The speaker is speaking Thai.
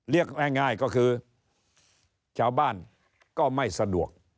เรียกง่ายก็คือชาวบ้านก็ไม่สะดวก